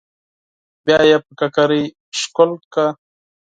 بيا يې پر ککرۍ ښکل کړه.